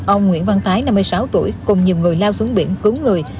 ông nguyễn văn tái năm mươi sáu tuổi cùng nhiều người lao xuống biển cứu người